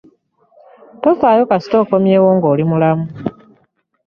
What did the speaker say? Tofaayo kasita okomwewo nga oli mulamu.